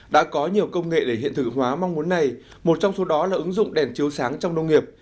đã có nhiều công nghệ để hiện thực hóa mong muốn này một trong số đó là ứng dụng đèn chiếu sáng trong nông nghiệp